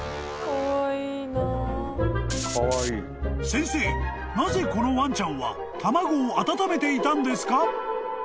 ［先生なぜこのワンちゃんは卵を温めていたんですか？］